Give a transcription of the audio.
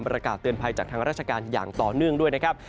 ประกาศเตือนภัยจากทางราชการอย่างต่อเนื่องด้วยนะครับ